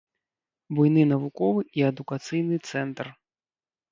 Буйны навуковы і адукацыйны цэнтр.